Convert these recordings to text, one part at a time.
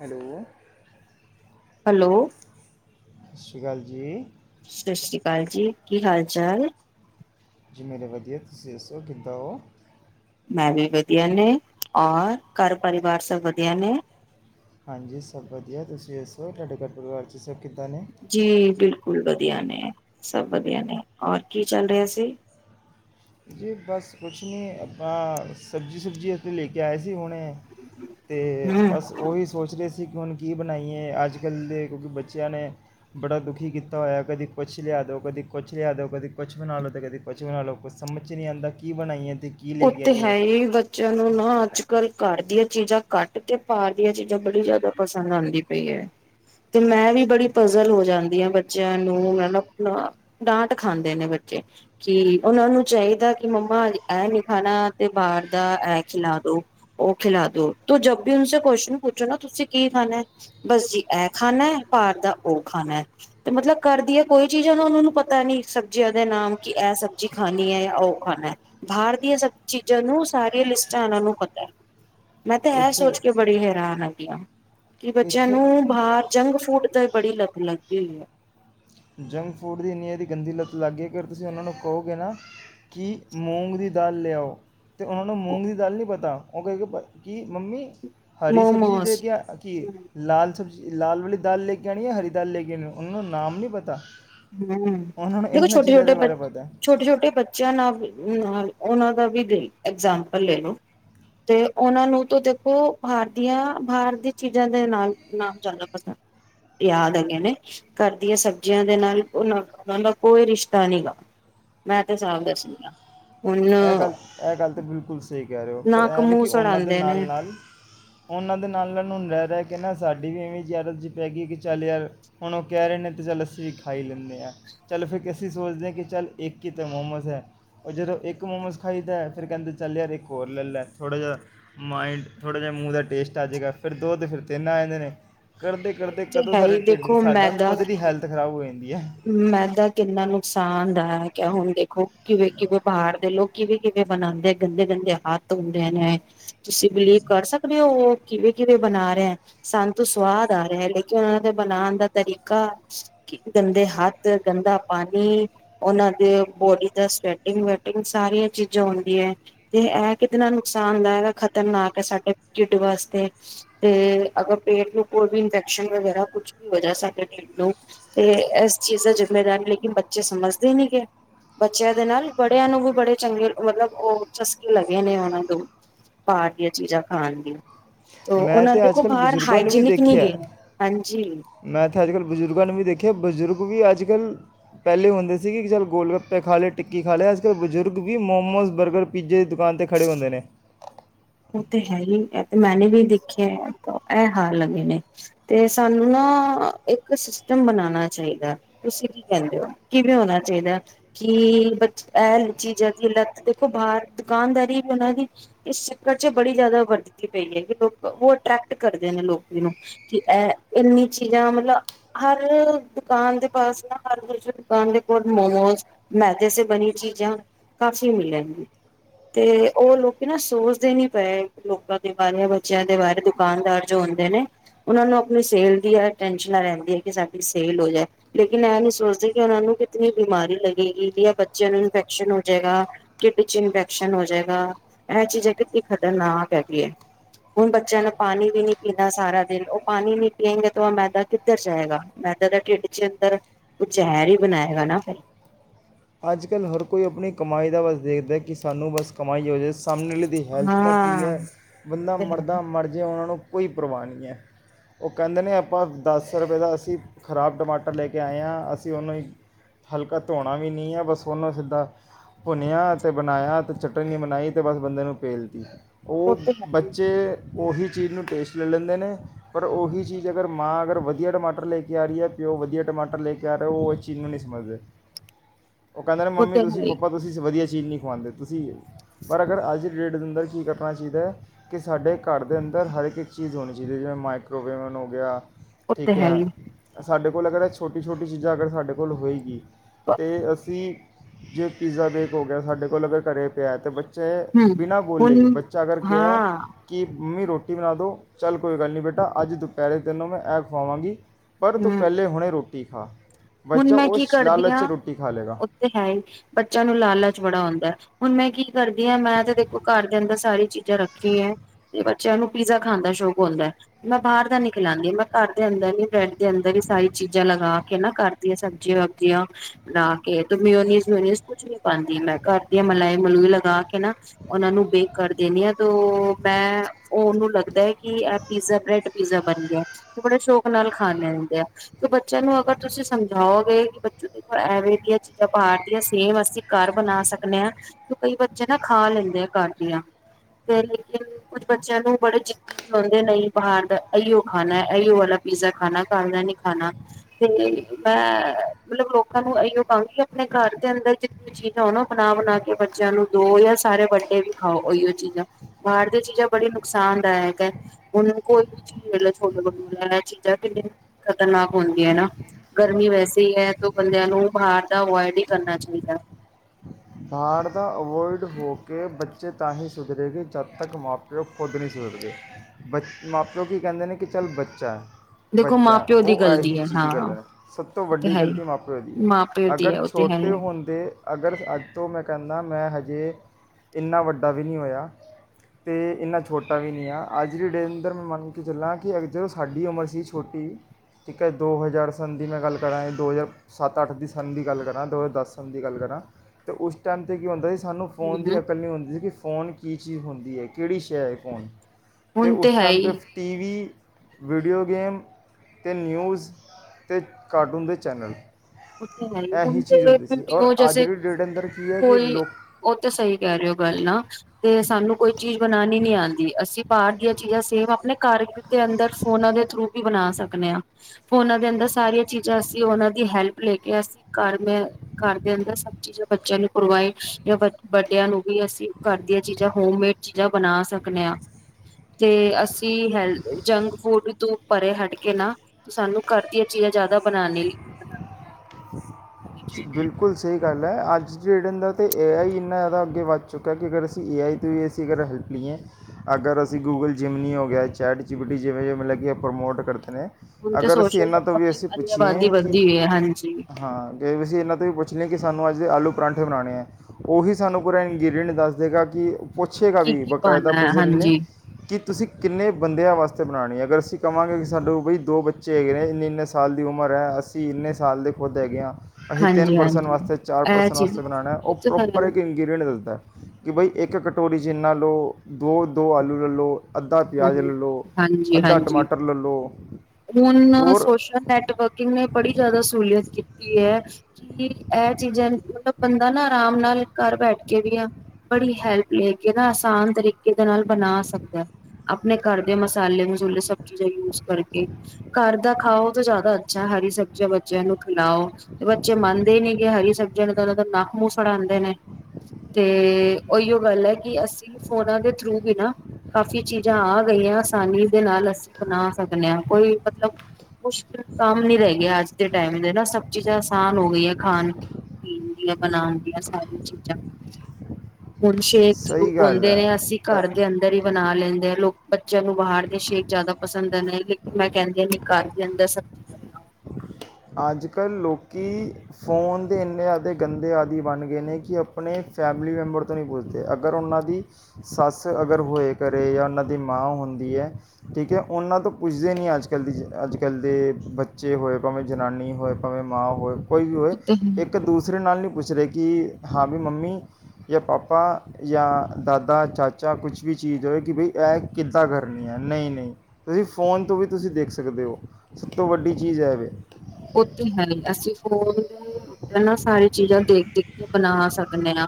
Hello. Hello ਸਤਿ ਸ਼੍ਰੀ ਅਕਾਲ ਜੀ ਸਤਿ ਸ੍ਰੀ ਅਕਾਲ ਜੀ ਕੀ ਹਾਲ ਚਾਲ ਜੀ ਮੇਰੇ ਵਧੀਆ ਤੁਸੀਂ ਦੱਸੋ ਕਿੱਦਾਂ ਹੋ ਮੈਂ ਵੀ ਵਧੀਆ ਨੇ ਔਰ ਘਰ ਪਰਿਵਾਰ ਸਭ ਵਧੀਆ ਨੇ ਹਾਂਜੀ ਸਭ ਵਧੀਆ ਤੁਸੀਂ ਦੱਸੋ ਤੁਹਾਡੇ ਘਰ ਪਰਿਵਾਰ 'ਚ ਸਭ ਕਿ ਜੀ ਬਿਲਕੁਲ ਬਧ ਵਧੀਆ ਨੇ ਸਭ ਵਧੀਆ ਨੇ ਹੋਰ ਕੀ ਚੱਲ ਰਿਹਾ ਸੀ ਜੀ ਬਸ ਕੁਛ ਨਹੀਂ ਆਪਾਂ ਸਬਜ਼ੀ ਸੁਬਜ਼ੀ ਇਥੇ ਲੈ ਕੇ ਆਏ ਸੀ ਹੁਣੇ ਅਤੇ ਹੂੰ, ਬਸ ਉਹੀ ਸੋਚ ਰਹੇ ਸੀ ਕਿ ਹੁਣ ਕੀ ਬਣਾਈਏ ਅੱਜ ਕੱਲ ਦੇ ਕਿਉਂਕਿ ਬੱਚਿਆਂ ਨੇ ਬੜਾ ਦੁਖੀ ਕੀਤਾ ਹੋਇਆ ਕਦੀ ਕੁਛ ਲਿਆ ਦਿ ਕਦੀਦੇ ਕੁਛ ਲਿਆ ਦਿ ਕਦੇ ਕੁਛ ਬਣਾ ਲਓ ਅਤੇ ਕਦੇ ਕੁਛ ਬਣਾ ਲਓ ਸਮਝ ' ਨਹੀਂ ਆਉਂਦਾ ਕੀ ਬਣਾਈਆਂ ਉੱਥੇ ਹੈ ਹੀ ਬੱਚਿਆਂ ਨੂੰ ਨਾ ਅੱਜ ਕੱਲ੍ਹ ਘਰ ਦੀਆਂ ਚੀਜ਼ਾਂ ਕੱਟ ਤੇ ਪਾਰ ਦੀਆਂ ਚੀਜ਼ਾਂ ਬੜੀ ਜ਼ਿਆਦਾ ਪਸੰਦ ਆਉਂਦੀ ਪਈ ਹੈ ਤੇ ਮੈਂ ਵੀ ਬੜੀ ਪਜ਼ਲ ਹੋ ਜਾਂਦੀ ਹਾਂ ਬੱਚਿਆਂ ਨੂੰ ਮਤਬ ਆਪਣਾ ਡਾਂਟ ਖਾਂਦੇ ਨੇ ਬੱਚੇ ਕਿ ਉਹਨਾਂ ਨੂੰ ਚਾਹੀਦਾ ਕਿ ਮੰਮਾ ਇਹ ਨ ਖਾਣਾ ਤੇ ਬਾਹਰ ਦਾ ਇਹ ਖਿਲਾ ਦੋ ਉਹ ਖਿਲਾ ਦੋ ਤੂੰ ਜਬ ਵੀ ਉਹ ਕੁਸ਼ਚਨ ਪੁੱਛੋ ਨਾ ਤੁਸੀਂ ਕੀ ਖਾਣਾ ਬਸ ਜੀ ਇਹ ਖਾਣਾ ਹੈ ਬਾਹਰ ਦਾ ਉਹ ਖਾਣਾ ਹੈ ਤੇ ਮਤਲਬ ਕਰਦੀ ਹੈ ਕੋਈ ਚੀਜ਼ ਹੈ ਨਾ ਉਹਨਾਂ ਨੂੰ ਪਤਾ ਨੀ ਸਬਜ਼ੀਆਂ ਦੇ ਨਾਮ ਕਿ ਇਹ ਸਬਜ਼ੀ ਖਾਣੀ ਹੈ ਜਾਂ ਉਹ ਖਾਣਾ ਹੈ ਬਾਹਰ ਦੀਆਂ ਸਭ ਚੀਜ਼ਾਂ ਨੂੰ ਸਾਰੀਆਂ ਲਿਸਟਾਂ ਉਹਨਾਂ ਨੂੰ ਪਤਾ ਹੈ ਮੈਂ ਤੇ ਇਹ ਇੱਥੇ ਸੋਚ ਕੇ ਬੜੀ ਹੈਰਾਨ ਹੈ [unintelligible] ਕਿ ਬੱਚਿਆਂ ਇੱਥੇ ਨੂੰ ਬਾਹਰ ਜੰਗ ਫੂਟ ਤਾਂ ਇਹ ਬੜੀ ਲੱਕ ਲੱਗ ਹੋਈ ਹੈ ਜੰਕ ਫੂਡ ਦੀ ਇੰਨੀ ਇਹਾਰੀ ਗੰਦੀ ਲੱਤ ਲੱਗ ਗਈ ਕਿ ਤੁਸੀਂ ਉਹਨਾਂ ਨੂੰ ਕਹੋਗੇ ਨਾ ਕਿ ਮੂੰਗ ਦੀ ਦਾਲ ਲਿਆਓ ਅਤੇ ਉਹਨਾਂ ਨੂੰ ਮੂੰਗ ਦੀ ਦਾਲ ਨਹੀਂ ਪਤਾ ਉਹ ਕਹੇ ਕੇ ਕਿ ਮੰਮੀ ਹਰੀ ਸਬਜ਼ੀ ਦੇ ਮੋਮੋਸ ਕੇ ਕੀ ਹੂੰ ਲਾਲ ਸਬਜ਼ੀ ਲਾਲ ਵਾਲੀ ਦਾਲ ਲੈ ਕੇ ਆਉ ਹੈ ਹਰੀ ਦਾਲ ਲੈ ਕੇ ਆਉ ਉਹਨਾਂ ਨੂੰ ਨਾਮ ਨੀ ਪਤਾ ਤਾ ਹਮ ਦੇਖੋ ਛੋਟੇ ਛੋਟੇ ਬ ਬਾਰੇ ਪਤਾ ਛੋਟੇ ਛੋਟੇ ਬੱਚਿਆਂ ਨਾਲ ਨਾਲ ਉਹਨਾਂ ਦਾ ਵੀ ਇਗਜਾਮਪਲ ਲੈ ਲੋ ਤੇ ਉਹਨਾਂ ਨੂੰ ਤਾਂ ਦੇਖੋ ਬਾਹਰ ਦੀਆਂ ਬਾਹਰ ਦੀ ਚੀਜ਼ਾਂ ਦੇ ਨਾਲ ਨਾਲ ਜ਼ਿਆਦਾ ਪਸੰਦ ਯਾਦ ਹੈਗੇ ਨੇ ਘਰ ਦੀਆਂ ਸਬਜ਼ੀਆਂ ਦੇ ਨਾਲ ਉਹ ਉਹ ਦਾ ਕੋਈ ਰਿਸ਼ਤਾ ਨੀ ਗਾ ਮੈਂ ਤੇ ਸਾਫ਼ ਦੱਸਣ ਆ [inaudible] ਇਹ ਗੱਲ ਇਹ ਗੱਲ ਤਾਂ ਬਿਲਕੁਲ ਸਹੀ ਕਹਿ ਰਹੇ ਹੋ ਪਰ ਨੱਕ ਇਹ ਵੀ ਮੂੰਹ ਕਿ ਉਹਨਾਂ ਦੇ ਸੜਾਉਂਦੇ ਨੇ ਨਾਲ ਨਾਲ ਉਹਨਾਂ ਦੇ ਨਾਲ ਨਾਲ ਨੂੰ ਰਹਿ ਰਹਿ ਕਹਿੰਦਾ ਸਾਡੀ ਵੀ ਇਵੇਂ ਯ ਯਾਦਤ ਜਿਹੀ ਪੈ ਗਈ ਕਿ ਚੱਲ ਯਾਰ ਹੁਣ ਉਹ ਕਹਿ ਰਹੇ ਨੇ ਤਾਂ ਚੱਲ ਅਸੀਂ ਵੀ ਖਾਈ ਲੈਂਦੇ ਹਾਂ ਚੱਲ ਫਿਰ ਅਸੀਂ ਸੋਚਦੇ ਹਾਂ ਕਿ ਚੱਲ ਇੱਕ ਹੀ ਤਾਂ ਮੋਮੋਸ ਹੈ ਉਹ ਜਦੋਂ ਇੱਕ [inaudible] ਕਰਦੇ ਕਰਦੇ ਤੇ ਕਦੋਂ ਹੈ ਸਾਡੇ ਹੀ ਢਿੱਡ ਦੇਖੋ ਸਾਡਾ ਮੈਦਾ ਖੁਦ ਦੀ ਹੈਲਥ ਖ਼ਰਾਬ ਹੋ ਜਾਂਦੀ ਹੈ ਮੈਦਾ ਕਿੰਨਾ ਨੁਕਸਾਨ ਦਾ ਕ ਹੁਣ ਦੇਖੋ ਕਿਵੇਂ ਕਿਵੇਂ ਬਾਹਰ ਦੇ ਲੋਕ ਕਿਵੇਂ ਕਿਵੇਂ ਬਣਾਉਂਦੇ ਗੰਦੇ ਗੰਦੇ ਹੱਥ ਹੁੰਦੇ ਨੇ ਤੁਸੀਂ ਬਿਲੀਵ ਕਰ ਸ [inaudible] ਕਦੇ ਹੋ ਉਹ ਕਿਵੇਂ ਕਿਵੇਂ ਬਣਾ ਰਿਹਾ ਸਾਨੂੰ ਤ ਸਵਾਦ ਆ ਰਿਹਾ ਹੈ ਲੇਕਿਨ ਉਹਨਾਂ ਦੇ ਬਣਾਉਣ ਦਾ ਤਰੀਕਾ [inaudible] ਗੰਦੇ ਹੱਥ ਗੰਦਾ ਪਾਣੀ ਉਹਨਾਂ ਦੇ ਬੋਡੀ ਦਾ ਸਵੈਟਿੰਗ ਵੈਟਿੰਗ ਸਾਰੀਆਂ ਚੀਜ਼ਾਂ ਹੁੰਦੀਆਂ ਤੇ ਇਹ ਕਿਤੇਨਾ ਨੁਕਸਾਨਦਾਇਕ ਖ਼ਤਰਨਾਕ ਹੈ ਸਾਡੇ ਢਿੱਡ ਵਾਸਤੇ ਤੇ ਅਗਰ ਪੇਟ ਨੂੰ ਕੋਈ ਵੀ ਇਨਫੈਕਸ਼ਨ ਵਗੈਰਾ ਕੁਛ ਵੀ ਹੋ ਜਾ ਸਾਡੇ ਢਿੱਡ ਨੂੰ [inaudible] ਤੇ ਇਸ ਚੀਜ਼ ਦਾ ਜਿੰਮੇਦਾਰ ਲੇਕਿਨ ਬੱਚੇ ਸਮਝਦੇ ਨੀ ਗ ਬੱਚਿਆਂ ਦੇ ਨਾਲ ਬੜਿਆਂ ਨੂੰ ਵੀ ਬੜੇ ਚੰਗੇ ਮਤਲਬ ਉਹ ਚਸਕੇ ਲੱਗੇ ਨੇ ਉਹਨਾਂ ਨੂੰ ਭਾਰ ਦੀਆਂ ਚੀਜ਼ਾਂ ਖਾਣ ਦੀ ਤੇ ਮੈਂ ਉਹਨਾਂ ਤੇ ਅੱਜ ਦੇਖੋ ਕੱਲ੍ਹ ਬਾਹਰ ਬਜ਼ੁਰਗਾਂ ਨੂੰ ਵੀ ਹਾਈਜੀਨਿਕ ਨਹੀਂ ਦੇਖਿਆ ਗਏ ਨੇ ਹਾਂਜੀ। ਮੈਂ ਤਾਂ ਅੱਜ ਕੱਲ੍ਹ ਬਜ਼ੁਰਗਾਂ ਨੂੰ ਵੀ ਦੇਖਿਆ ਦੇਖਿਆ, ਬਜ਼ੁਰਗ ਵੀ ਅੱਜ ਕੱਲ ਪਹਿਲੇ ਹੁੰਦੇ ਸੀ। ਕਿ ਚੱਲ ਗੋਲਗੱਪੇ ਖਾ ਲਏ, ਟਿੱਕੀ ਖਾ ਲਏ ਅੱਜ ਕੱਲ੍ਹ ਬਜ਼ੁਰਗ ਵੀ ਮੋਮੋਸ ਬਰਗਰ ਪੀਜੇ ਦੇ ਦੁਕਾਨ 'ਤੇ ਖੜ੍ਹੇ ਹੁੰਦੇ ਨੇ, ਉਹ ਤੇ ਹੈ ਹੀ ਹੈ। ਤੇ ਮੈਨ ਵੀ ਦੇਖਿਆ। ਇਹ ਹਾਰ ਲੱਗੇ ਨੇ ਤੇ ਸਾਨੂੰ ਨਾ ਇੱਕ ਸਿਸਟਮ ਬਣਾਉਣਾ ਚਾਹੀਦਾ। ਤੁਸੀਂ ਕੀ ਕਹਿੰਦੇ ਹੋ? ਕਿਵੇਂ ਹੋਣਾ ਚਾਹੀਦਾ ਕਿ ਬਚ ਇਹ ਚੀਜ਼ਾਂ ਦੀ ਲੱਤ ਦੇਖੋ ਬਾਹਰ ਦੁਕਾਨਦਾਰੀ ਵੀ ਉਹਨਾਂ ਦੀ। ਖਰਚੇ ਬੜੀ ਜ਼ਿਆਦਾ ਵੱਧਦੀ ਪਈ ਹੈ। ਕਿ ਲੋਕ ਉਹ ਅਟਰ੍ਰੈਕਟ ਕਰਦੇ ਨੇ ਲੋਕੀ ਨੂੰ ਕਿ ਇਹ ਇੰਨੀ ਚੀਜ਼ਾਂ ਮਤਲਬ ਹਰ ਦੁਕਾਨ ਦੇ ਪਾਸ ਨਾ ਹਰ ਦੂਜੇ ਦੁਕਾਨ ਦੇ ਕੋਲ ਮੋਮੋਸ ਮੈਦੇ ਸੇ ਬਣੀ ਚੀਜ਼ਾਂ ਕਾਫ਼ੀ ਮਿਲਣ ਨੇ ਤੇ ਉਹ ਲੋਕ ਨਾ ਸੋਸ। ਸੋਚ ਦੇ ਪਏ ਲੋਕਾਂ ਦੇ ਬਾਰੇ ਜਾਂ ਬੱਚਿਆਂ ਦੇ ਬਾਰੇ ਦੁਕਾਨਦਾਰ ਜੋ ਹੁੰਦੇ, ਨੇ ਉਹਨਾਂ ਨੂੰ ਆਪਣੀ ਸੇਲ ਦੀ ਆ ਟੈਨਸ਼ਨਾਂ ਰਹਿੰਦੀ ਹੈ। ਕਿ ਸਾਡੀ ਸੇਲ ਹੋ ਜਾਏ, ਲੇਕਿਨ ਇਹ ਨੀ ਸੋਚਦੇ। ਕਿ ਉਹਨਾਂ ਨੂੰ ਕਿਤਨੀ ਬਿਮਾਰੀ ਲੱਗੇਗੀ ਜਾਂ ਬੱਚਿਆਂ ਨੂੰ ਇਨਫੈਕਸ਼ਨ ਹੋ ਜਾਏਗਾ ਟਿੱਡ ਚ ਇੰਨਫੈਕਸ਼ਨ ਹੋ ਜਾਏਗਾ। ਇਹ ਚੀਜ਼ਾਂ ਕੀਤੀ ਖ਼ਤਰਨਾਕ ਹੈਗੀ ਹੈ। ਹੁਣ ਬੱਚਿਆਂ ਨੂੰ ਪਾਣੀ ਵੀ ਨੀ ਪੀਣਾ ਸਾਰਾ ਦਿਨ ਉਹ ਪਾਣੀ ਨੀ ਪੀਏਗੇ ਨਾ ਤਾਂ ਉਹ ਮੈਦਾ ਕਿੱਧਰ ਜਾਏਗਾ। ਮੈਦਾ ਦਾ ਢਿੱਡ ਚ ਅੰਦਰ ਕੁ ਜ਼ਹਿਰ ਹੀ ਬਣਾਏਗਾ ਨਾ ਫਿਰ ਅੱਜ ਕੱਲ੍ਹ ਹਰ ਕੋਈ ਆਪਣੀ ਕਮਾਈ ਦਾ ਬਸ ਦੇਖਦਾ। ਕਿ ਸਾਨੂੰ ਬਸ ਕਮਾਈ ਹੋ ਜਾਏ। ਸਾਹਮਣੇ ਦੀ ਹੈਲਥ ਦਾ ਕੀ ਹਾਂ ਹੈ। ਉਹ ਬੰਦਾ ਤੇ ਹੈ ਹੀ, ਮਰਦਾ ਮਰਜ਼ੇ ਔਹਨਾਂ ਨੂੰ। ਕੋਈ ਪਰਵਾਹ ਨਹੀਂ ਹੈ ਉਹ ਕਹਿੰਦੇ ਨੇ ਆਪਾਂ ਦਸ ਰੁਪਏ ਦਾ ਅਸੀਂ ਖ਼ਰਾਬ ਟਮਾਟਰ ਲੈ ਕੇ ਆਏ ਹਾਂ ਅਸੀਂ ਉਹਨੂੰ ਹੀ ਹਲਕਾ ਧੋਣਾ ਨਹੀਂ ਆ ਬਸ ਉਹਨੂੰ ਸਿੱਧਾ ਭੁੰਨਿਆ ਤੇ ਬਣਾਇਆ, ਤੇ ਚਟਣੀ ਬਣਾਈ ਤੇ ਬਸ ਬੰਦੇ ਨੂੰ ਭੇਜਤੀ। ਔਹ ਉਹ ਤੇ ਹੈ ਹੀ, ਬੱਚੇ, ਉਹੀ ਚੀਜ਼ ਨੂੰ ਟੇਸਟ ਲੈ ਲੈਂਦੇ ਨੇ। ਪਰ ਉਹੀ ਚੀਜ਼ ਅਗਰ ਮਾਂ ਅਗਰ ਵਧੀਆ ਟਮਾਟਰ ਲੈ ਕੇ ਆ ਰਹੀ ਹੈ। ਪਿਓ ਵਧੀਆ ਟਮਾਟਰ ਲੈ ਕੇ ਆ ਰਿਹਾ ਹੈ। ਉਹ ਇਸ ਚੀਜ਼ ਨੂੰ ਨਹੀਂ ਸਮਝਦੇ। ਉਹ ਕਹਿੰਦੇ ਨੇ ਮੰਮੀ ਤੇ ਤੁਸੀਂ ਹੈ ਹੀ। ਪਾਪਾ ਤੁਸੀਂ ਵਧੀਆ ਸੀ। ਚੀਜ਼ ਨਹੀਂ ਖਵਾਉਂਦੇ, ਤੁਸੀਂ ਪਰ ਅਗਰ ਅੱਜ ਦੀ ਡੇਟ ਦੇ ਅੰਦਰ ਕੀ ਕਰਨਾ ਚਾਹੀਦਾ। ਕਿ ਸਾਡੇ ਘਰ ਦੇ ਅੰਦਰ ਹਰ ਇੱਕ ਚੀਜ਼ ਹੋਣੀ ਚਾਹੀਦੀ ਹੈ, ਜਿਵੇਂ ਮਾਈਕਰੋਵੇਵਨ ਹੋ ਗਿਆ। ਉਹ ਤੇ ਠੀਕ ਹੀ ਹੈ। ਸਾਡੇ ਕੋਲ ਅਗਰ ਇਹ ਛੋਟੀ ਛੋਟੀ ਚੀਜ਼ਾਂ ਅਗਰ ਸਾਡੇ ਕੋਲ ਹੋਏਗੀ। ਤੇ ਅਸੀਂ। ਜੇ ਪੀਜ਼ਾ ਬੇਕ ਹੋ ਗਿਆ। ਸਾਡੇ ਕੋਲ ਅਗਰ ਘਰੇ ਪਿਆ, ਤੇ ਬੱਚੇ ਬੱਚੇ, ਹੂੰ ਬਿਨਾਂ ਹੁਣ ਬੋਲੇ, ਬੱਚਾ ਅਗਰ ਕੇਹਾ ਹੈ। ਹਾਂ ਕਿ ਮੰਮੀ ਰੋਟੀ ਬਣਾ ਦਿਉ, ਚੱਲ ਕੋਈ ਗੱਲ ਨਹੀਂ। ਬੇਟਾ ਅੱਜ ਦੁਪਹਿਰੇ ਤੈਨੂੰ ਮੈਂ ਇਹ ਖਵਾਵਾਂਗੀ। ਪਰ ਤੋਂ ਹੂੰ ਪਹਿਲੇ ਹੁਣੇ ਰੋ। ਟੀਹਾ ਹੁਣ ਮੈਂ ਕੀ ਕਰਦੀ ਆਂ। ਲੇਗਾ ਔਤੇ ਹੈ ਹੀ, ਬੱਚਿਆਂ ਨੂੰ ਲਾਲਾਚ ਬੜਾ ਹੋਂਦਾ। ਹੁਣ ਮੈਂ ਕੀ ਕਰਦੀ ਹਾਂ। ਮੈਂ ਤੇ ਦੇਖੋ ਘਰ ਦੇ ਅੰਦਰ ਸਾਰੀ ਚੀਜ਼ਾਂ ਰੱਖੀ ਹੈ। ਤੇ ਬੱਚਿਆਂ ਨੂੰ ਪੀਜ਼ਾ ਖਾਣ ਦਾ ਸ਼ੌਕ ਹੁੰਦਾ। ਮੈਂ ਬਾਹਰ ਦਾ ਨੀ ਖਿਲਾਉਂਦੀ। ਮੈਂ ਘਰ ਦੇ ਅੰਦਰ ਨੀ ਬ੍ਰੈਡ ਦੇ ਅੰਦਰ ਹੀ ਸਾਰੀ ਚੀਜ਼ਾਂ ਲਗਾ ਕੇ ਨਾ ਘਰ। ਦੇ ਸਬਜ਼ੀਆਂ ਵਬਜ਼ੀਆਂ ਬਣਾਕੇ ਤੇ ਮਿਓਨੀਜ਼ ਮਿਓਨੀਜ਼ ਕੁਝ ਨੀ ਪਾਉਂਦੀ। ਮੈਂ ਘਰ ਦੀਆਂ ਮਲਾਈ ਮਲੂਈ ਲਗਾ। ਕੇ ਨਾ ਉਹਨਾਂ ਨੂੰ ਬੇਕ ਕਰ ਦੇਣੀ ਆ, ਤੇ ਮੈਂ ਉਹਨੂੰ ਲੱਗਦਾ ਹੈ ਕਿ ਇਹ ਪੀਜ਼ਾ ਬ੍ਰੈਡ ਪੀਜ਼ਾ ਬਣ ਗਿਆ। ਤੇ ਬੜੇ ਸ਼ੌਕ ਨਾਲ ਖਾਣੇ ਹੁੰਦੇ। ਆ ਤੇ ਬੱਚਿਆਂ ਨੂੰ ਅਗਰ ਤੁਸੀਂ ਸਮਝਾਓਗੇ! ਕਿ ਬੱਚੋ ਦੇਖੋ ਐਵੇਂ ਦੀਆਂ ਚੀਜ਼ਾਂ ਬਾਹਰ ਦੀਆਂ ਸੇਮ ਅਸੀਂ ਘਰ ਬਣਾ ਸਕਦੇ ਹਾਂ! ਤੇ ਕਈ ਬੱਚੇ ਨਾ ਖਾ ਲੈਂਦੇ ਆ। ਘਰ ਦੀਆਂ ਤੇ ਲੇਕਿਨ ਕੁੱਝ ਬੱਚਿਆਂ ਨੂੰ ਬੜੇ ਜਿੱਦੀ ਵੀ ਆਉਂਦੇ, ਨਹੀਂ ਬਾਹਰ ਦਾ ਇਹੀਓ ਖਾਣਾ, ਇਓ ਵਾਲਾ ਪੀਜ਼ਾ ਖਾਣਾ, ਘਰ ਦਾ ਨੀ ਖਾਣਾ ਤੇ' ਮੈਂ ਮਤਲਬ ਲੋਕਾਂ ਨੂੰ ਇਓ ਕਹਾਂਗੀ। ਆਪਣੇ ਘਰ ਦੇ ਅੰਦਰ ਜਿੰਨੀ ਚੀਜ਼ ਹੋ, ਨਾ ਬਣਾ ਬਣਾ ਕੇ ਬੱਚਿਆਂ ਨੂੰ ਦਓ ਜਾਂ ਸਾਰੇ ਵੱਡੇ ਵੀ ਖਾਓ। ਔਹੀਓ ਚੀਜ਼ਾਂ ਬਾਹਰ ਦੀ ਚੀਜ਼ਾਂ ਬੜੀ ਨੁਕਸਾਨਦਾਇਕ ਹੈ। ਹੁਣ ਕੋਈ ਵੀ ਚੀਜ਼ਤਲ ਛੋਲੇ ਭਟੂਰੇ ਚੀਜ਼ਾਂ ਕਿੰਨੀ ਖ਼ਤਰਨਾਕ ਹੁੰਦੀਆਂ ਨਾ। ਗਰਮੀ ਵੈਸੇ ਹੀ ਹੈ! ਤੋ ਬੰਦਿਆਂ ਨੂੰ ਬਾਹਰ ਦਾ ਅਵੋਇਡ ਹੀ ਕਰਨਾ ਚਾਹੀਦਾ। ਬਾਹਰ ਦਾ ਔ ਔਲਡ ਹੋ ਕੇ ਬੱਚ! ਬੱਚੇ ਤਾਂ ਹੀ ਸੁਧਰੇਗੇ! ਜਦ ਤੱਕ ਮਾਂ ਪਿਓ ਖੁਦ ਨਹੀਂ ਸੁਧਰਦੇ ਬ ਮਾਂ ਪਿਓ ਕੀ ਕਹਿੰਦੇ, ਨੇ ਕਿ ਚੱਲ ਬੱਚਾ ਹੈ। ਦੇਖੋ ਬੱਚਾ ਮਾਂ ਹੈ! ਪਿਓ ਦੀ ਉਹ ਇਹੀ ਗ਼ਲਤੀ ਹੈ ਚੀਜ਼ ਹਾਂ ਕਰਦਾ ਹੈ ਸਭ ਤੋਂ ਉਹ ਤੇ ਵੱਡੀ ਹੈ ਹੀ ਗਲਤੀ ਮਾਂ ਪਿਓ ਦੀ ਹੈ! ਮਾਂ ਪਿਓ ਦੀ ਅਗਰ ਹੈ ਉਹ ਤੇ ਹੈ ਛੋਟੇ ਹੀ ਹੁੰਦੇ। ਅਗਰ ਅੱਜ। ਤੋਂ ਮੈਂ ਕਹਿੰਦਾ! ਮੈਂ ਹਜੇ ਇੰਨਾ ਵੱਡਾ ਵੀ ਨਹੀਂ ਹੋਇਆ। ਅਤੇ ਇੰਨਾ ਛੋਟਾ ਵੀ ਨਹੀਂ ਹਾਂ। ਅੱਜ ਦੀ ਡੇਟ ਅੰਦਰ ਮੈਂ ਮੰਨ ਕੇ ਚੱਲਾਂ, ਕਿ ਜਦੋਂ ਸਾਡੀ ਉਮਰ ਸੀ ਛੋਟੀ ਠੀਕ ਹੈ। ਦੋ ਹਜ਼ਾਰ ਸੰਨ ਦੀ ਮੈਂ ਗੱਲ ਕਰਾਂ ਦੋ ਹਜ਼ਾਰ ਸੱਤ ਅੱਠ ਦੇ ਸੰਨ ਦੀ ਗੱਲ ਕਰਾਂ ਦੋ ਹਜ਼ਾਰ ਦਸ ਸੰਨ ਦੀ ਗੱਲ ਕਰਾਂ। ਤੇ ਉਸ ਟਾਈਮ ਤੇ ਕੀ ਹੁੰਦਾ ਸੀ। ਸਾਨੂੰ ਫ਼ੋਨ ਦੀ ਹਮ ਅਕਲ ਨਹੀਂ ਹੁੰਦੀ ਸੀ ਕੀ। ਫ਼ੋਨ ਕੀ ਚੀਜ਼ ਹੁੰਦੀ ਹੈ ਕਿਹੜੀ ਸ਼ੈ ਹੈ ਫੋਨ ਅਤੇ ਹੁਣ ਉਸ ਹੈ ਟਾਈਮ ਤੇ, ਹੀ ਟੀ ਵੀ ਵੀਡੀਓ ਗੇਮ, ਤੇ ਨਿਊਜ਼, ਤੇ ਕਾਰਟੂਨ ਦੇ ਚੈਨਲ ਉਹ ਤਾਂ ਹੈ ਹੀ ਇਹੀ ਚੀਜ਼ ਹੁਣਦੇ ਹੁੰਦੀ ਸੀ ਔਰ ਬਡੀਓ ਅੱਜ ਜੈਸੇ ਦੀ ਡੇਟ ਅੰਦਰ ਕੀ ਹੈ ਕਿ ਕੋਈ ਲੋਕ ਉਹ ਤਾਂ ਸਹੀ ਕਹਿ ਰਹੇ ਹੋ ਗੱਲ ਆ ਤੇ ਸਾਨੂੰ ਕੋਈ ਚੀਜ਼ ਬਣਾਉਣੀ ਨੀ ਆਉਂਦੀ ਅਸੀਂ ਬਾਹਰ ਦੀਆਂ ਚੀਜ਼ਾਂ ਸੇਮ ਆਪਣੇ ਘਰ ਦੇ ਅੰਦਰ ਫੋਨਾਂ ਦੇ ਥਰੂ ਵੀ ਬਣਾ ਸਕਦੇ ਹਾਂ ਫੋਨਾ ਦੇ ਅੰਦਰ ਸਾਰੀਆਂ ਚੀਜ਼ਾਂ ਅਸੀਂ ਉਹਨਾਂ ਦੀ ਹੈਲਪ ਲੈ ਕੇ ਅਸੀਂ ਘਰ ਘਰ ਦੇ ਅੰਦਰ ਸਭ ਚੀਜ਼ਾਂ ਬੱਚਿਆਂ ਨੂੰ ਪ੍ਰੋਵਾਈਡ ਜਾਂ ਵੱਡਿਆਂ ਨੂੰ ਵੀ ਅਸੀਂ ਘਰ ਦੀਆਂ ਚੀਜ਼ਾਂ ਹੋਮਮੇਡ ਚੀਜ਼ਾਂ ਬਣਾ ਸਕਦੇ ਹਾਂ ਤੇ ਅਸੀਂ ਹੈ ਜੰਕ ਫੂਡ ਤੋਂ ਪਰੇ ਹਟ ਕੇ ਨਾ ਸਾਨੂੰ ਘਰ ਦੀਆਂ ਚੀਜ਼ਾਂ ਜ਼ਿਆਦਾ ਬਣਾ ਬ ਬਿਲਕੁਲ ਸਹੀ ਗੱਲ ਹੈ ਅੱਜ ਡੇਟ ਦਾ ਤਾਂ ਏ ਆਈ ਇੰਨਾ ਜ਼ਿਆਦਾ ਅੱਗੇ ਵੱਧ ਚੁੱਕਾ ਕਿ ਅਗਰ ਅਸੀਂ ਏ ਆਈ ਤੋਂ ਹੀ ਅਸੀਂ ਅਗਰ ਹੈਲਪ ਲਈਏ ਅਗਰ ਅਸੀਂ ਗੂਗਲ ਜਿੰਮ ਨਹੀਂ ਹੋ ਗਿਆ ਚੈਟ ਚਿਬਟੀ ਜਿਵੇਂ ਜਿਵੇਂ ਲੱ ਕਿ ਪ੍ਰਮੋਟ ਕਰਦੇ ਨੇ ਹੁਣ ਤੇ ਅਗਰ ਅਸੀਂ ਸੋਸ਼ਲ ਇਹਨਾਂ ਤੋਂ ਵੀ ਨੈਟਵਰਕਿੰਗ ਅਸੀਂ ਅੰਿਆ ਵਦੀ ਪੁੱਛੀਏ ਕਿ ਵਧਦੀ ਹੋਈ ਹੈ ਹਾਂਜੀ ਹਾਂ ਕਿ ਅਸੀਂ ਇਹਨਾਂ ਤੋਂ ਵੀ ਪੁੱਛ ਲਏਾਂ ਕਿ ਸਾਨੂੰ ਅੱਜ ਆਲੂ ਪਰਾਂਠੇ ਬਣਾਉਣੇ ਹੈ ਉਹੀ ਸਾਨੂੰ ਪੂਰਾ ਇਨਗਰੀਡੀਅਂਟ ਦੱਸ ਦੇਗਾ ਕਿ ਪੱਛੇਗਾਾ ਕੀ ਵੀ ਕੀ ਬਾਕਾਇਦਾ ਪਾਣਾ ਹੈ ਪੁੱਛਦੇ ਰਹੇਿੰ ਨੇ ਹਾਂਜੀ। ਕਿ ਤੁਸੀਂ ਕਿੰਨੇ ਬੰਦਿਆਂ ਵਾਸਤੇ ਬਣਾਉਣੀ ਅਗਰ ਅਸੀਂ ਕਹਾਂਗੇ ਕਿ ਸਾਡੇ ਬਾਈ ਦੋ ਬੱਚੇ ਹੈਗੇ ਨੇ ਇੰਨੇ ਇੰਨੇ ਸਾਲ ਦੀ ਉਮਰ ਹੈ ਅਸੀਂ ਇੰਨੇ ਸਾਲ ਦੇ ਖੁਦ ਹੈਗੇ ਹਾਂ ਅਸੀਂ ਤਿੰਨ ਹਾਂਜੀ ਪਰਸਨ ਹਾਂਜੀ ਵਾਸਤੇ ਚਾਰ ਇਹ ਪਰਸਨ ਚੀਜ਼ ਵਸਤੇ ਬਣਾਉਣਾ ਉਹ ਤਾਂ ਹੈ ਪ੍ਰੋਪਰ ਨਾ ਇੱਕ ਇੰਗਰੀੀਡੀਐਂਟ ਦਦਾ ਕਿ ਭਈ ਇੱਕ ਕਟੋਰੀ ਜਿੰਨਾ ਲਓ ਦੋ ਦੋ ਆਲੂ ਲ ਲਓ ਅੱਧਾ ਹ ਪਿਆਜ਼ ਲੈ ਲਓ ਹਾਂਜੀ ਅੱਧਾ ਹਾਂਜੀ ਟਮਾਟਰ ਲੈ ਲਓ ਹੁਣ ਔਰ ਸੋਸ਼ਲ ਨੈਟਵਰਕਿੰਗ ਨੇ ਬੜੀ ਜ਼ਿਆਦਾ ਸਹੂਲੀਅਤ ਕੀਤੀ ਹੈ ਕਿ ਇਹ ਚੀਜ਼ਾਂ ਮਤਲਬ ਬੰਦਾ ਨਾ ਆਰਾਮ ਨਾਲ ਘਰ ਬੈਠ ਕੇ ਵੀ ਆ ਬੜੀ ਹੈਲਪ ਲੈ ਕੇ ਨਾ ਆਸਾਨ ਤਰੀਕੇ ਦੇ ਨਾਲ ਬਣਾ ਸਕਦਾ ਆਪਣੇ ਘਰ ਦੇ ਮਸਾਲੇ ਮਸੂਲੇ ਸਬਜ਼ੀਆਂ ਯੂਜ ਕਰਕੇ ਘਰ ਦਾ ਖਾਓ ਤਾਂ ਜ਼ਿਆਦਾ ਅੱਛਾ ਹਰੀ ਸਬਜ਼ੀਆਂ ਬੱਚਿਆਂ ਨੂੰ ਖਿਲਾਓ ਬੱਚੇ ਮੰਨਦੇ ਨੀ ਕਿ ਹਰੀ ਸਬਜ਼ੀਆਂ ਨੂੰ ਤਾਂ ਉਹਨਾਂ ਦਾ ਨੱਕ ਮੂੰਹ ਫੜਾਉਂਦੇ ਨੇ ਤੇ ਉਹੀਓ ਗੱਲ ਹੈ ਕਿ ਅਸੀਂ ਫੋਨਾਂ ਦੇ ਥਰੂ ਵੀ ਨਾ ਕਾਫ਼ੀ ਚੀਜ਼ਾਂ ਆ ਗਈਆਂ ਆਸਾਨੀ ਦੇ ਨਾਲ ਅਸੀਂ ਬਣਾ ਸਕਦੇ ਹਾਂ ਕੋਈ ਮਤਲਬ ਮੁਸ਼ਕਿਲ ਕੰਮ ਨੀ ਰਹਿ ਗਿਆ ਅੱਜ ਦੇ ਟਾਈਮ ਦੇ ਨਾ ਸਭ ਚੀਜ਼ਾਂ ਆਸਾਨ ਹੋ ਗਈਆਂ ਖਾਣ ਪੀਣ ਦੀਆਂ ਬਣਾਉਣ ਦੀਆਂ ਸਾਰੀਆਂ ਚੀਜ਼ਾਂ ਹੁਣ ਸ਼ੇਖ ਸਹੀ ਸੂਪ ਗੱਲ ਹਉਦੇ ਹੈ ਨੇ ਅਸੀਂ ਤਾਂ ਘਰ ਦੇ ਅੰਦਰ ਹੀ ਲੈਂਦੇ ਆ ਲੋਕ ਬੱਚਿਆਂ ਨੂੰ ਬਾਹਰ ਦੇ ਸ਼ੇਕ ਜ਼ਿਆਦਾ ਪਸੰਦ ਨੇ ਲੇਕਿਨ ਮੈਂ ਕਹਿੰਦੀ ਆ ਵੀ ਘਰ ਦੇ ਅੰਦਰ ਸਭ ਚੀਜ਼ਾਂ ਬਣਾਓ ਅੱਜ ਕੱਲ੍ਹ ਲੋਕ ਫੋਨ ਦੇ ਇੰਨੇ ਜ਼ਿਆਦੇ ਗੰਦੇ ਆਦਿ ਬਣ ਗਏ ਨੇ ਕਿ ਆਪਣੇ ਫੈਮਿਲੀ ਮੈਂਬਰ ਤੋਂ ਨਹੀਂ ਪੁੱਛਦੇ ਅਗਰ ਉਹਨਾਂ ਦੀ ਸੱਸ ਅਗਰ ਹੋਏ ਕਰੇ ਜਾਂ ਉਹਨਾਂ ਦੀ ਮਾਂ ਹੁੰਦੀ ਹੈ ਠੀਕ ਹੈ ਉਹਨਾਂ ਤੋਂ ਪੁੱਛਦੇ ਨਹੀਂ ਅੱਜ ਕੱਲ੍ਹ ਦੀ ਅੱਜ ਕੱਲ੍ਹ ਦੇ ਬੱਚੇ ਹੋਏ ਭਾਵੇਂ ਜਨਾਨੀ ਹੋਏ ਭਾਵੇਂ ਮਾਂ ਹੋਏ ਕੋਈ ਵੀ ਹੋਵੇ ਉਹ ਤੇ ਹੈ ਇੱਕ ਦੂਸਰੇ ਨਾਲ ਨਹੀਂ ਪੁੱਛ ਰਹੇ ਕਿ ਹਾਂ ਵੀ ਮੰਮੀ ਜਾਂ ਪਾਪਾ ਜਾਂ ਦਾਦਾ ਚਾਚਾ ਕੁਛ ਵੀ ਚੀਜ਼ ਹੋਵੇ ਕਿ ਬਈ ਇਹ ਕਿੱਦਾਂ ਕਰਨੀ ਹੈ ਨਹੀਂ ਨਹੀਂ ਤੁਸੀਂ ਫੋਨ ਤੋਂ ਵੀ ਤੁਸੀਂ ਦੇਖ ਸਕਦੇ ਹੋ ਸਭ ਤੋਂ ਵੱਡੀ ਚੀਜ਼ ਇਹਵੇ ਉਹ ਤੇ ਹੈ ਨ ਅਸੀਂ ਫੋਨ ਦੇ ਉ ਨਾ ਸਾਰੀ ਚੀਜ਼ਾਂ ਦੇਖ ਦੇਖ ਕੇ ਬਣਾ ਸਕਦੇ ਹਾਂ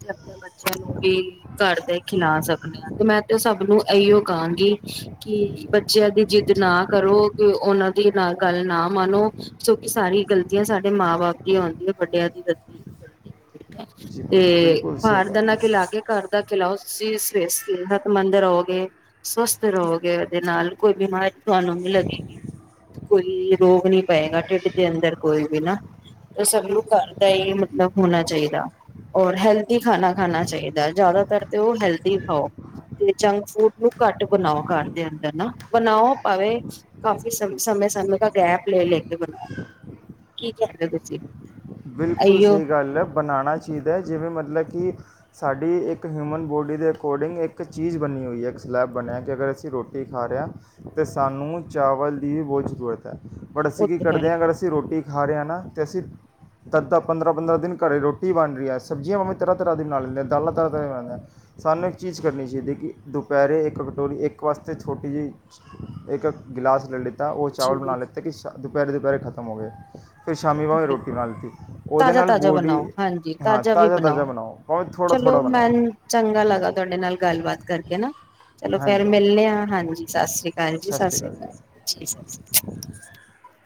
ਤੇ ਆਪਣੇ ਬੱਚਿਆਂ ਨੂੰ ਵੀ ਘਰ ਦੇ ਖਿਲਾ ਸਕਦੇ ਹਾਂ ਤੇ ਮੈਂ ਤੇ ਸਭ ਨੂੰ ਇਹੀਓ ਕਹਾਂਗੀ ਕਿ ਬੱਚਿਆਂ ਦੀ ਜਿੱਦ ਨਾ ਕਰੋ ਕਿ ਉਹਨਾਂ ਦੀ ਨਾਲ ਗੱਲ ਨਾ ਮਾਨੋ ਸ ਕਿ ਸਾਰੀ ਗ਼ਲਤੀਆਂ ਸਾਡੇ ਮਾਂ ਬਾਪ ਦੀ ਆਉਂਦੀ ਹੈ ਵੱਡਿਆਂ ਦੀ ਗਲਤੀ ਗਲਤੀ ਆਉਂਦੀ ਹੈ ਜੀ ਤੇ ਬਿਲਕੁਲ ਸਹੀ ਬਾਹਰ ਦਾ ਗੱਲ ਨਾ ਹੈ ਖਿਲਾ ਕੇ ਘਰ ਦਾ ਖਿਲਾਓਸੀ ਸਿਹਤਮੰਦ ਰਹੋਗੇ ਸਵਸਥ ਰਹੋਗੇ ਉਹਦੇ ਨਾਲ ਕੋਈ ਬਿਮਾਰੀ ਤੁਹਾਨੂੰ ਮਿਲ ਕੋਈ ਰੋਗ ਨੀ ਪਏਗਾਡ ਦੇ ਅੰਦਰ ਕੋਈ ਵੀ ਨਾ ਤੇ ਸਭ ਨੂੰ ਘਰ ਦਾ ਹੀ ਮਤਲਬ ਹੋਣਾ ਚਾਹੀਦਾ ਔਰ ਹੈਲਦੀ ਖਾਣਾ ਖਾਣਾ ਚਾਹੀਦਾ ਜ਼ਿਆਦਾਤਰ ਤੇ ਉਹ ਹੈਲਦੀ ਖਾਓ ਤੇ ਜੰਕ ਫੂਡ ਨੂੰ ਘੱਟ ਬਣਾਓ ਘਰ ਦੇ ਅੰਦਰ ਨਾ ਬਣਾਓ ਭਾਵੇਂ ਕਾਫ਼ੀ ਸਮ ਸਮੇਂ ਸਮੇਂ ਦਾ ਗੈਪ ਲੈ ਲੈ ਬਣਾਓ ਕੀ ਕਹਦੇ ਤੁਸੀਂ ਬਿਲਕੁਲ ਅਈਓ ਸਹੀ ਗੱਲ ਹੈ ਬਣਾਉਣਾ ਚਾਹੀਦਾ ਹੈ ਜਿਵੇਂ ਮਤਲਬ ਕਿ ਸਾਡੀ ਇੱਕ ਹਿਊਮਨ ਬੋਡੀ ਦੇ ਅਕੋਰਡਿੰਗ ਇੱਕ ਚੀਜ਼ ਬਣੀ ਹੋਈ ਹੈ ਇੱਕ ਸਲੈਬ ਬਣਿਆ ਕਿ ਅਗਰ ਅਸੀਂ ਰੋਟੀ ਖਾ ਰਹੇ ਹਾਂ ਤਾਂ ਸਾਨੂੰ ਚਾਵਲ ਦੀ ਵੀ ਬਹੁਤ ਜ਼ਰੂਰਤ ਹੈ ਪਰ ਅਸੀਂ ਉਹ ਕੀ ਤੇ ਹੈ ਕਰਦੇ ਹਾਂ ਅਗਰ ਅਸੀਂ ਰੋਟੀ ਹਰਿਆਣਾ ਤਹਿਸੀਲ ਦ ਪੰਦਰਾਂ ਪੰਦਰਾਂ ਦਿਨ ਘਰੇ ਰੋਟੀ ਬਣ ਰਹੀ ਹੈ ਸਬਜ਼ੀਆਂ ਮਮੀ ਤਰ੍ਹਾਂ ਤਰ੍ਹਾਂ ਦੀਨ ਨਾਲ ਲੈਂਦੇ ਦਾਲਾਂ ਤਰ੍ਹਾਂ ਤਰ੍ਹਾਂ ਦੀਆਂ ਬਣਦੇ ਸਾਨੂੰ ਇੱਕ ਚੀਜ਼ ਕਰਨੀ ਚਾਹੀਦੀ ਕਿ ਦੁਪਹਿਰੇ ਇੱਕ ਕਟੋਰੀ ਇੱਕ ਵਾਸਤੇ ਛੋਟੀ ਜਿਹੀ ਇੱਕ ਗਿਲਾਸ ਲੈ ਲੈਂ ਉਹ ਚਾੌਲ ਜੀ ਬਣਾਈ ਲਿੱਤੇ ਕਿ ਦੁਪਹਿਰੇ ਦੁਪਹਿਰੇ ਖਤਮ ਹੋ ਗਏ ਫਿਰ ਸ਼ਾਮੀ ਬਾਗ ਰੋਟ ਤਾਜ਼ਾ-ਤਾਜ਼ਾ ਬਣਾਓ ਹਾਂਜੀ ਹਾਂ ਤਾਜ਼ਾ ਵੀ ਬਣਾਓ, ਤਾਜ਼ਾ ਭਾਵੇਂ ਥੋੜ੍ਹਾ ਚਲੋ ਥੋੜ੍ਹਾ ਬਣਾਓ ਮੈਨ ਚੰਗਾ ਲੱਗਾ ਤੁਹਾਡੇ ਨਾਲ ਗੱਲਬਾਤ ਕਰਕੇ ਨਾ ਚਲੋ ਫੇਰ ਹਾਂਜੀ ਹਾਂਜੀ ਮਿਲਣੇ ਹਾਂ ਹਾਂਜੀ ਸਤਿ ਸ੍ਰੀ ਸ- ਅਕਾਲ ਜੀ ਸਤਿ ਸ਼੍ਰੀ ਸ੍ਰੀ ਅਕਾਲ। ਜੀ ਜ ਸਤਿ ਸ੍ਰੀ ਅਕ